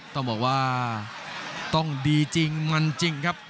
ต้องบอกว่าต้องดีจริงมันจริงครับ